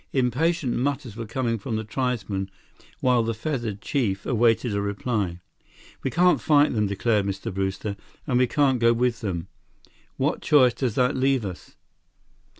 Impatient mutters were coming from the tribesmen while the feathered chief awaited a reply. "We can't fight them," declared Mr. Brewster, "and we can't go with them. What choice does that leave us?"